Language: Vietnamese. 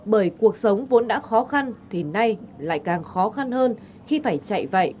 bởi cuộc sống vốn đã khó khăn thì nay lại càng khó khăn hơn khi phải chạy vậy